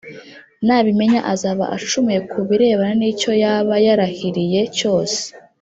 Nabimenya azaba acumuye ku birebana n icyo yaba yarahiriye cyose